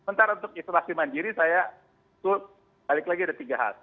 sementara untuk isolasi mandiri saya itu balik lagi ada tiga hal